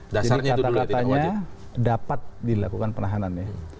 jadi kata katanya dapat dilakukan penahanan ya